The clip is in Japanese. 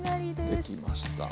できました。